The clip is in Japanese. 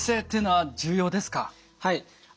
はい。